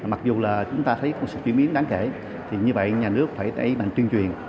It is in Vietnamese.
mặc dù là chúng ta thấy có sự chuyển biến đáng kể thì như vậy nhà nước phải đẩy mạnh tuyên truyền